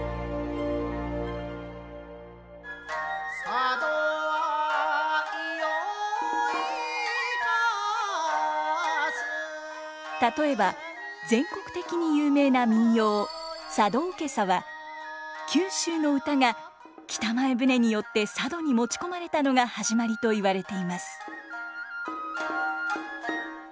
佐渡は居良いか例えば全国的に有名な民謡「佐渡おけさ」は九州の唄が北前船によって佐渡に持ち込まれたのが始まりと言われています。